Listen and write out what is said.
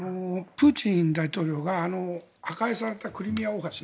プーチン大統領が破壊されたクリミア大橋